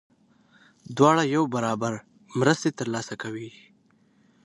دواړه یو برابر مرستې ترلاسه کوي.